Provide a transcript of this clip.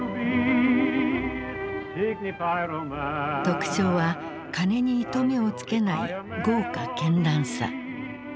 特徴は金に糸目をつけない豪華絢爛さ。